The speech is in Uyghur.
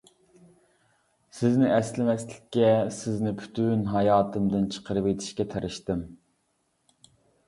سىزنى ئەسلىمەسلىككە، سىزنى پۈتۈن ھاياتىمدىن چىقىرىۋېتىشكە تىرىشتىم.